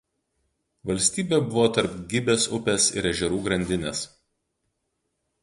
Valstybė buvo tarp Gibės upės ir ežerų grandinės.